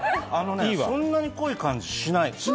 そんな濃い感じはしない。